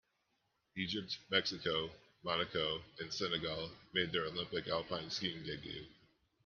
Egypt, Mexico, Monaco and Senegal made their Olympic alpine skiing debuts.